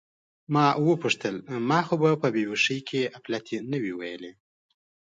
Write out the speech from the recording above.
ما وپوښتل: زه خو به په بې هوښۍ کې اپلتې نه وم ویلي؟